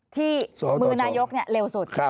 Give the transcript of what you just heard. ที่มือนายกเร็วสุด